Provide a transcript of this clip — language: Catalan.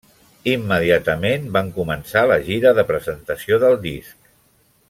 Immediatament van començar la gira de presentació del disc.